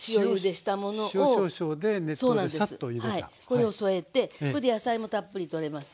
これを添えてこれで野菜もたっぷりとれますよね。